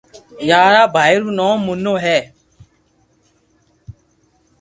ڀارا بائي رو نوم موننو ھي